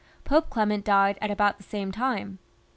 Pope Clement died at about the same time.